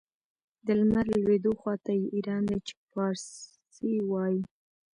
د لمر لوېدو خواته یې ایران دی چې پارسي وايي.